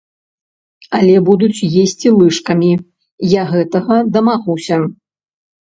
Але будуць есці лыжкамі, я гэтага дамагуся.